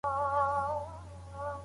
کرني پوهنځۍ له اجازې پرته نه کارول کیږي.